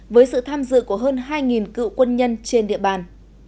với sự tham dự của hơn hai cựu quân nhân trên địa bàn